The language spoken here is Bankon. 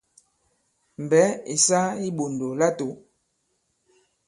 Mbɛ̌ ì sa i iɓòndò latō.